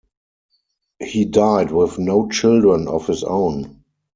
He died with no children of his own.